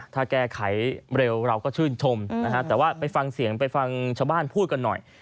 ถ้าแก้ไขเร็วเราก็ชื่นชมนะฮะแต่ว่าไปฟังเสียงไปฟังชาวบ้านพูดกันหน่อย